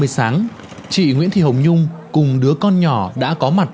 năm h ba mươi sáng chị nguyễn thị hồng nhung cùng đứa con nhỏ đã có mặt